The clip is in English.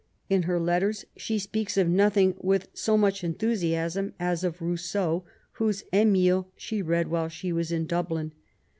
In her letters she speaks of nothing with so much enthusiasm as of Rousseau^ whose Emile she read while she was in Dublin.